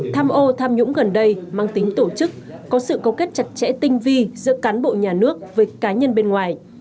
tham ô tham nhũng gần đây mang tính tổ chức có sự cấu kết chặt chẽ tinh vi giữa cán bộ nhà nước với cá nhân bên ngoài